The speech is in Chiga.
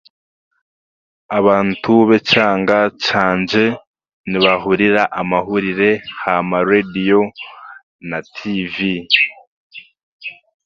Abantu b'ekyanga kyangye nibahurira amahuriire aha ma reediyo na TV.